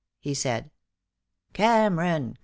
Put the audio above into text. he said. "Cameron!